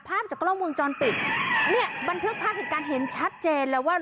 ภาพจากกล้องวงจรปิดเนี่ยบันทึกภาพเหตุการณ์เห็นชัดเจนเลยว่า